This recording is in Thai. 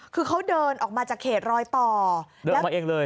คือเขาเดินออกมาจากเขตรอยต่อเดินออกมาเองเลย